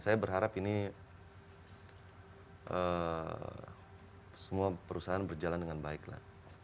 saya berharap ini semua perusahaan berjalan dengan baiklah